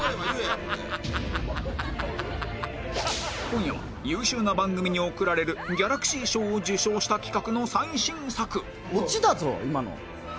今夜は優秀な番組に贈られるギャラクシー賞を受賞した企画の最新作オチだぞ今の。